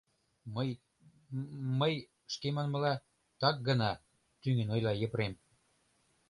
— Мый... мый, шке манмыла, так гына, — тӱҥын ойла Епрем.